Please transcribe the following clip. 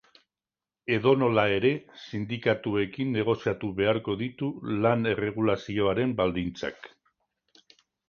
Edonola ere, sindikatuekin negoziatu beharko ditu lan-erregulazioaren baldintzak.